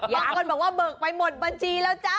อย่าก่อนบอกว่าเบิกไปหมดบัญชีแล้วจ้า